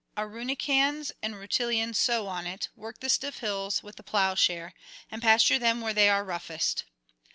Auruncans and Rutulians sow on it, work the stiff hills with the ploughshare, and pasture them where they are roughest.